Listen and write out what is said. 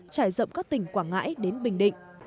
trải rộng các tỉnh quảng ngãi đến bình định